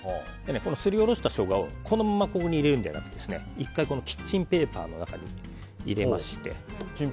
すりおろしたショウガをこのままここに入れるのではなく１回、キッチンペーパーの中に入れまして。